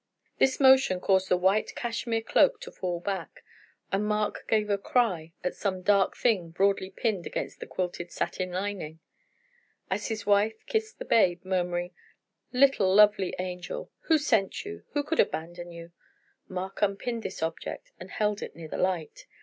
This motion caused the white cashmere cloak to fall back, and Mark gave a cry at some dark thing broadly pinned against the quilted satin lining. As his wife kissed the babe, murmuring: "Little, lovely angel! Who sent you? Who could abandon you?" Mark unpinned this object and held it near the light.